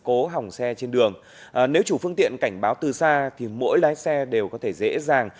cố hỏng xe trên đường nếu chủ phương tiện cảnh báo từ xa thì mỗi lái xe đều có thể dễ dàng